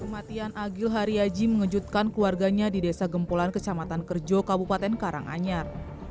kematian agil haryaji mengejutkan keluarganya di desa gempolan kecamatan kerjo kabupaten karanganyar